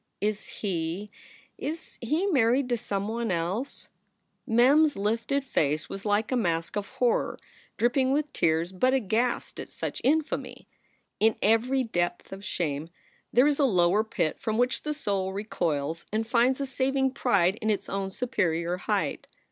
"Is he is he married to some one else?" Mem s lifted face was like a mask of horror, dripping with tears but aghast at such infamy. In every depth of shame there is a lower pit from which the soul recoils and finds a saving pride in its own superior height.